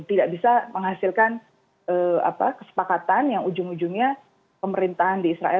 tidak bisa menghasilkan kesepakatan yang ujung ujungnya pemerintahan di israel